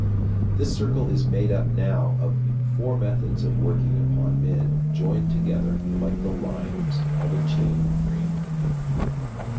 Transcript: This circle is made up now of four methods of working upon men, joined together like the limes of a chain ring.